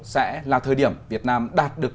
sẽ là thời điểm việt nam đạt được